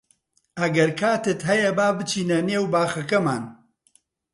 ئەگەر کاتت هەیە با بچینە نێو باخەکەمان.